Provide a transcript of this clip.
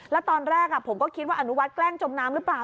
แล้วตอนแรกผมก็คิดว่าอนุวัฒนแกล้งจมน้ำหรือเปล่า